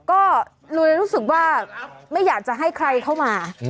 ก็ลุยรู้สึกว่าไม่อยากจะให้ใครเข้ามา